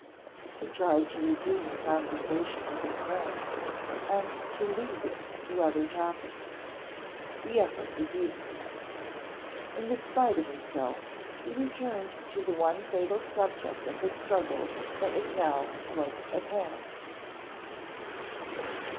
He tried to resume the conversation with his friend, and to lead it to other topics. The effort was useless. In despite of himself, he returned to the one fatal subject of the struggle that was now close at hand.